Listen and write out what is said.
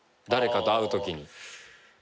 誰かと会うときに。